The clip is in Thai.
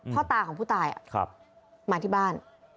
พ่อตาของผู้ตายมาที่บ้าน